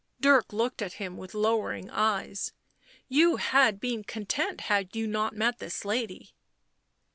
Dirk looked at him with lowering eyes. " You had been content had you not met this lady."